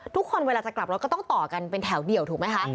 ทุกคนเวลาจะกลับรถก็ต้องต่อกันเป็นแถวเดี่ยวถูกไหมคะ